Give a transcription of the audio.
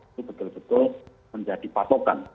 itu betul betul menjadi patokan